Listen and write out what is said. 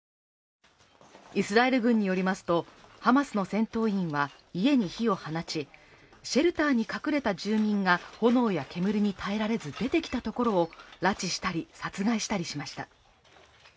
イスラエル軍によりますとハマスの戦闘員は家に火を放ち、シェルターに隠れた住民が炎や煙に耐えられず出てきたところを拉致したり殺害したりしました。